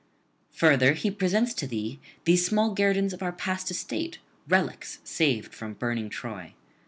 Further, he presents to thee these small guerdons of our past estate, relics saved from burning Troy.